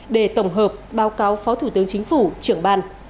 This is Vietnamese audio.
để tổng hợp báo cáo phó thủ tướng chính phủ trưởng ban